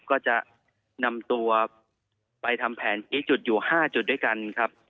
ก็จะนำตัวไปทำแผนชี้จุดอยู่๕จุดด้วยกันครับ